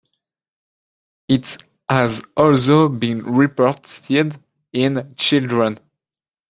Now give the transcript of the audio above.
It has also been reported in children.